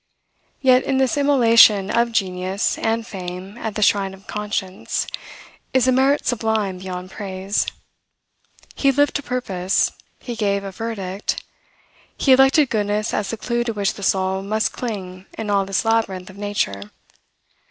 Yet, in this immolation of genius and fame at the shrine of conscience, is a merit sublime beyond praise. He lived to purpose: he gave a verdict. He elected goodness as the clue to which the soul must cling in all this labyrinth of nature.